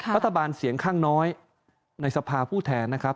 รัฐบาลเสียงข้างน้อยในสภาผู้แทนนะครับ